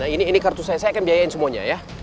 ini kartu saya saya akan biayain semuanya ya